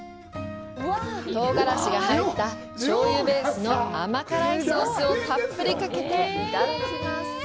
唐辛子が入った、醤油ベースの甘辛いソースをたっぷりかけていただきます。